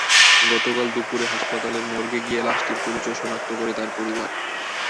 গতকাল দুপুরে হাসপাতালের মর্গে গিয়ে লাশটির পরিচয় শনাক্ত করে তাঁর পরিবার।